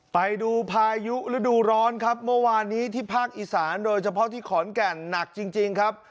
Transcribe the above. ไปดูพายุฤดูร้อนครับเมื่อวานนี้ที่ภาคอีสานโดยเฉพาะที่ขอนแก่นหนักจริงครับ